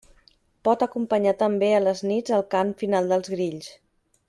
Pot acompanyar també a les nits el cant final dels grills.